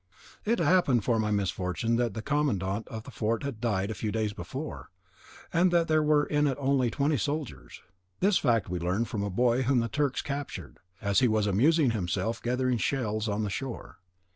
It happened for my misfortune that the commandant of the fort had died a few days before, and that there were in it only twenty soldiers; this fact we learned from a boy whom the Turks captured as he was amusing himself gathering shells on the shore.